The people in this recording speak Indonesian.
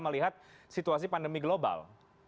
melihat situasi pandemi global